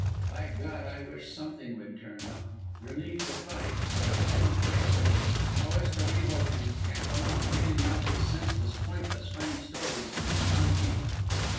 By God, I wish something would turn up relief or fight. I don't care which. How Estorijo can cackle on, reeling off his senseless, pointless funny stories, is beyond me.